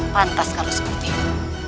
pantas kalau seperti itu